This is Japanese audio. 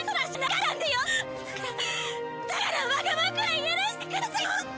だからだからわがままくらい許してくださいよ！